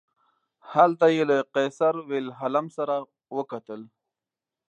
هلته یې له قیصر ویلهلم سره وکتل.